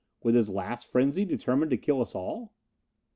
With his last frenzy determined to kill us all?